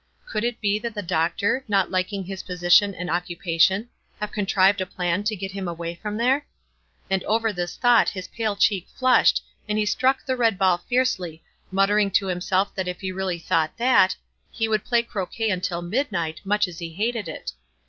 Could it be that the doctor, not liking his position and occupation, had contrived a plan to get him away from there ? And over this thought his pale cheek flushed, and he struck the red ball fiercely, muttering to himself that if he really thought that, he would play croquet until mid night, much as he hated it.